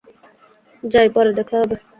যাই, পরে দেখা হবে।